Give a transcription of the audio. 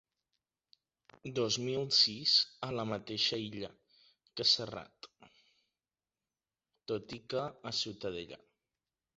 Dos mil sis a la mateixa illa que Serrat, tot i que a Ciutadella.